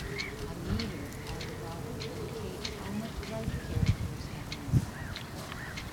A meter at the bottom indicates how much life characters have remaining.